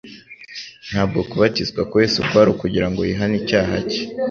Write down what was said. Ntabwo kubatizwa kwa Yesu kwari ukugira ngo yihane icyaha cye.